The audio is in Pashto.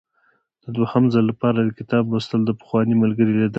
د دوهم ځل لپاره د کتاب لوستل د پخواني ملګري لیدل دي.